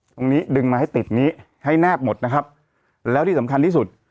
ตรงนี้ดึงมาให้ติดนี้ให้แนบหมดนะครับแล้วที่สำคัญที่สุด